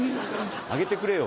上げてくれよ。